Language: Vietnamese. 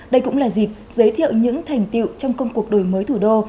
đây cũng là dịp giới thiệu những thành tiệu trong công cuộc đổi mới thủ đô